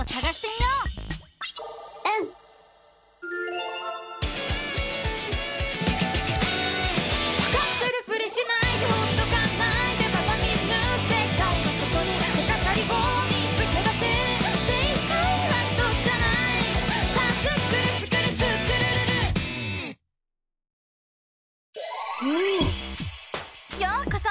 ようこそ！